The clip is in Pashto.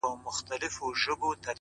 لوبي وې؛